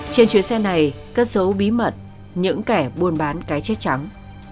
trên chuyến xe này cất dấu bí mật những kẻ buôn bán cái chết trắng